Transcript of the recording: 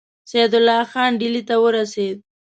سعدالله خان ډهلي ته ورسېد.